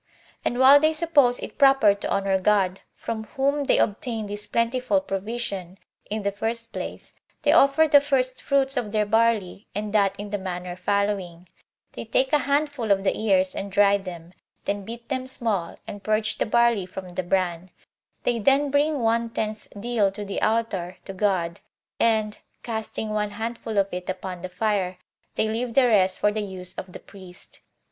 And while they suppose it proper to honor God, from whom they obtain this plentiful provision, in the first place, they offer the first fruits of their barley, and that in the manner following: They take a handful of the ears, and dry them, then beat them small, and purge the barley from the bran; they then bring one tenth deal to the altar, to God; and, casting one handful of it upon the fire, they leave the rest for the use of the priest.